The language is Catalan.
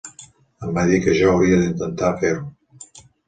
Em va dir que jo hauria de intentar fer-ho.